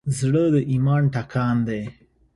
زړه د ایمان ټکان دی.